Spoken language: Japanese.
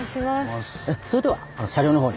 それでは車両のほうに。